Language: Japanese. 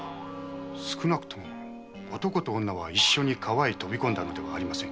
少なくとも男と女は一緒に川へ飛び込んだのではありません。